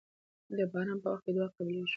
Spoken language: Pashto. د باران په وخت کې دعا قبليږي.